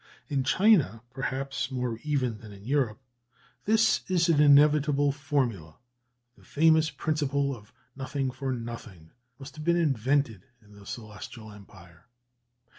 In China, perhaps more even than in Europe, this is an inevitable formula: the famous principle of nothing for nothing must have been invented in the Celestial Empire.